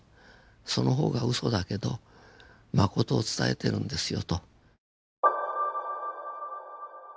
その方がウソだけどマコトを伝えてるんですよと。